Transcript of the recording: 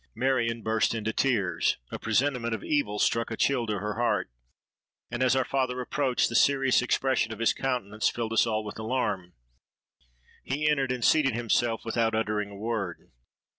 Marion burst into tears: a presentiment of evil struck a chill to her heart; and as our father approached, the serious expression of his countenance filled us all with alarm. He entered and seated himself without uttering a word.